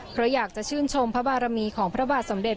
เพราะอยากจะชื่นชมพระบารมีของพระบาทสมเด็จ